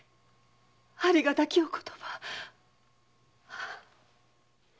ありがたきお言葉。